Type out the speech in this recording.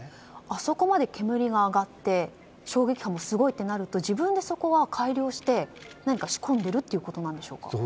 あそこまで煙が上がって衝撃波もすごいとなると自分で改良して何か仕込んでいるということでしょうか？